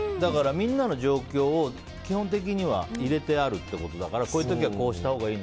みんなの状況を基本的には入れてあるってことだからこういう時はこうしたほうがいい